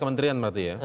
kementerian berarti ya